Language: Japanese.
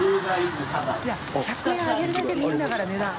い１００円上げるだけでいいんだから値段。